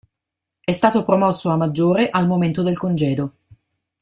È stato promosso a maggiore al momento del congedo.